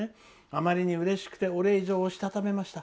「あまりにうれしくてお礼状をしたためました。